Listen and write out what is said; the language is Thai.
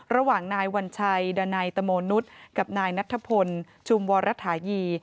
ระหว่างนายวัญชัยดานัยตโมนุษย์กับนายนัทพลชุมวรทายี